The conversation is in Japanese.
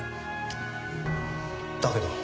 だけど。